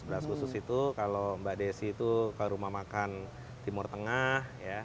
beras khusus itu kalau mbak desi itu ke rumah makan timur tengah